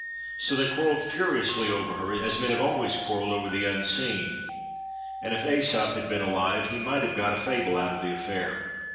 So they quarrelled furiously over her as men have always quarrelled over the unseen, and if Æsop had been alive, he might have got a fable out of the affair.